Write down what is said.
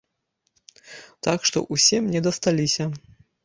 Так што ўсе мне дасталіся.